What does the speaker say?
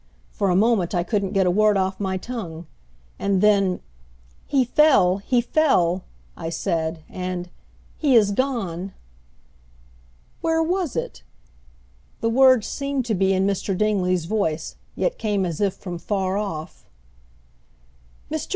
For a moment I couldn't get a word off my tongue; and then, "He fell, he fell!" I said, and, "He is gone!" "Where was it?" The words seemed to be in Mr. Dingley's voice, yet came as if from, far off. "Mr.